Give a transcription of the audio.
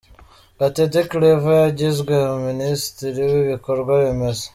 Gatete Claver yagizwe Minisitiri w'Ibikorwa Remezo.